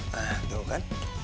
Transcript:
nah gitu kan